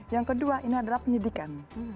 yang kedua ini adalah penyidikan